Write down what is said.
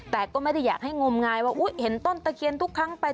แต่ก็ไม่ได้อยากให้งมงายว่าเห็นต้นตะเคียนทุกครั้งไป